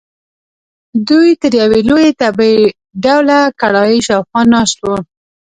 دوی تر یوې لویې تبۍ ډوله کړایۍ شاخوا ناست وو.